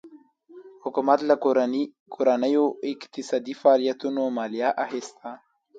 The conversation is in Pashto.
حکومت له کورنیو اقتصادي فعالیتونو مالیه اخیسته.